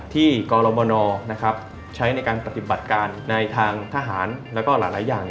กรมนใช้ในการปฏิบัติการในทางทหารแล้วก็หลายอย่าง